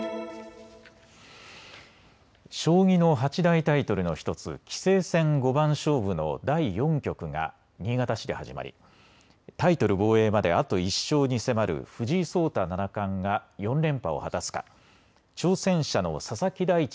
将棋の八大タイトルの１つ棋聖戦五番勝負の第４局が新潟市で始まりタイトル防衛まであと１勝に迫る藤井聡太七段が４連覇を果たすか、挑戦者の佐々木大地